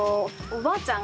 おばあちゃん。